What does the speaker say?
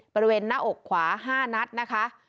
บริเวณหน้าอกขวา๕นัดนะคะ